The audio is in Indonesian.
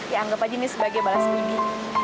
ya anggap aja ini sebagai balas mimpi